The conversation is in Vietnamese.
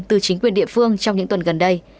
từ chính quyền địa phương trong những tuần gần đây